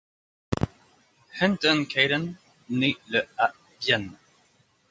Anton Kailan nait le à Vienne.